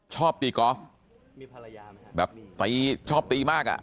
ชอบตีกอล์ฟแบบตีชอบตีมากอ่ะ